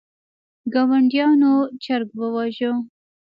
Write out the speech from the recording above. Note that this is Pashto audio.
ګاونډیانو چرګ وواژه.